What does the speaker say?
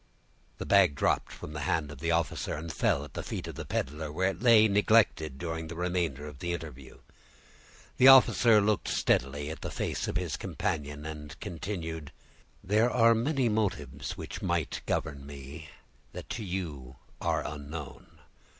The bag dropped from the hand of the officer, and fell at the feet of the peddler, where it lay neglected during the remainder of the interview. The officer looked steadily at the face of his companion, and continued,— "There are many motives which might govern me, that to you are unknown.